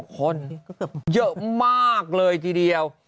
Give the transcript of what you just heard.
คนเยอะมากเลยทีเดียว